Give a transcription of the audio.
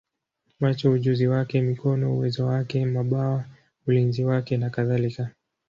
macho ujuzi wake, mikono uwezo wake, mabawa ulinzi wake, nakadhalika.